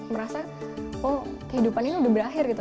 merasa kehidupan ini sudah berakhir